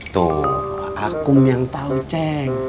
tuh akum yang tau cek